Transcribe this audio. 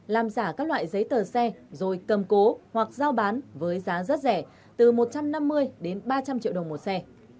làm giả các loại giấy tờ xe rồi cầm cố hoặc giao bán với giá rất rẻ từ một trăm năm mươi đến ba trăm linh triệu đồng một xe